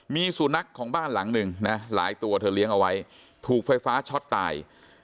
มีสุนัขของบ้านหลังหนึ่งนะหลายตัวเธอเลี้ยงเอาไว้ถูกไฟฟ้าช็อตตาย